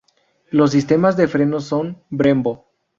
Los sistemas de frenos son Brembo.